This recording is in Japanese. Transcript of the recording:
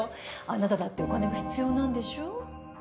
あなただってお金が必要なんでしょう？